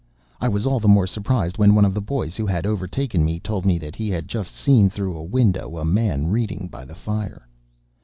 I was all the more surprised when one of the boys, who had overtaken me, told me that he had just seen through a window a man reading by the fire.